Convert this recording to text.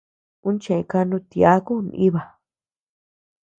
Ú cheʼë ká nutyáku naíba.